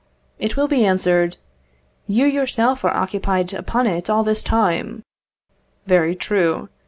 It will be answered: "You yourself are occupied upon it all this time." Very true.